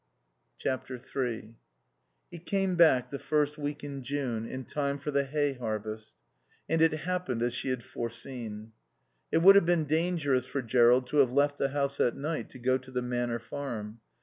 iii He came back the first week in June, in time for the hay harvest. And it happened as she had foreseen. It would have been dangerous for Jerrold to have left the house at night to go to the Manor Farm.